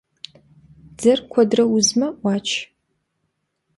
Дзэр куэдрэ узмэ — Ӏуач.